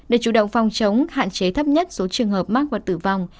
để chủ động phòng chống hạn chế thấp nhất số trường hợp mắc và tử vong